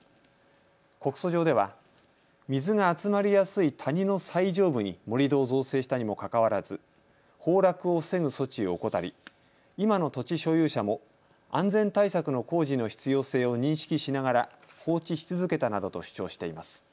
告訴状では水が集まりやすい谷の最上部に盛り土を造成したにもかかわらず崩落を防ぐ措置を怠り、今の土地所有者も安全対策の工事の必要性を認識しながら放置し続けたなどと主張しています。